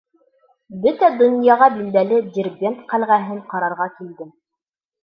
Бөтә донъяға билдәле Дербент ҡәлғәһен ҡарарға килдем.